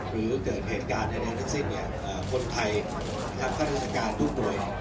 หรือเกิดเหตุการณ์ในทั้งสิ้นคนไทยคุณธรรมชาติการทุกหน่วย